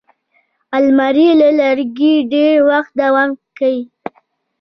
الماري له لرګي ډېر وخت دوام کوي